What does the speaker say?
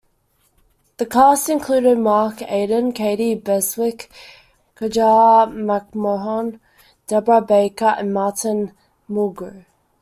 The cast included Mark Aidan, Katie Beswick, Kaijah McMahon, Debra Baker and Martin Mulgrew.